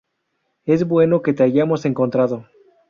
Es bueno que te hayamos encontrado.